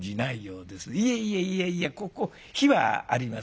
いやいやいやいやここ火はあります。